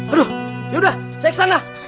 aduh ya udah saya ke sana